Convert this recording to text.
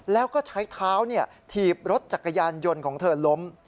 แล้วก็ใช้เท้าถีบรถจักรยานยนต์ของเธอล้ม